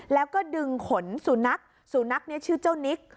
แล้วก็ดึงขนสุนัขสุนัขนี้ชื่อเจ้านิก